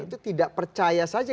itu tidak percaya saja